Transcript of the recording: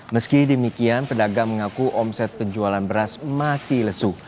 meski demikian pedagang mengaku omset penjualan beras masih lesu